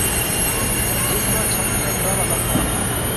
جس ناں چھت لینٹرے والا سا